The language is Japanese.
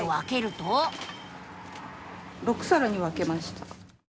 ・６さらに分けました。